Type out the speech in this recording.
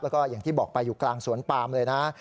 แล้วก็อย่างที่บอกไปอยู่กลางสวนปามเลยนะ